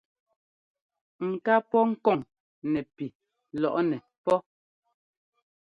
Ŋ ká pɔ́ kɔŋ nɛpi lɔ́ŋnɛ́ pɔ́.